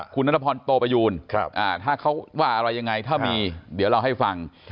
คุณนัทพรโตประยูนถ้าเขาว่าอะไรยังไงถ้ามีเดี๋ยวเราให้ฟัง